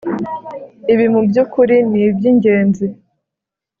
Ibi mubyukuri nibyingenzi